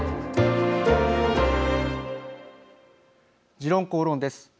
「時論公論」です。